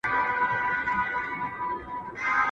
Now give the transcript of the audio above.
زه د کتاب بوی ډېر خوښوم.